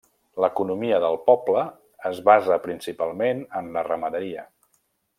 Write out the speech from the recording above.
L'economia del poble es basa principalment en la ramaderia.